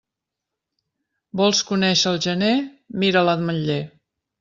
Vols conèixer el gener? Mira l'ametller.